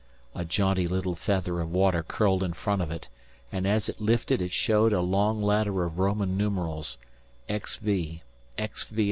A jaunty little feather of water curled in front of it, and as it lifted it showed a long ladder of Roman numerals XV.